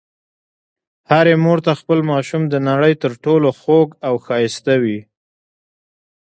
هرې مور ته خپل ماشوم د نړۍ تر ټولو خوږ او ښایسته وي.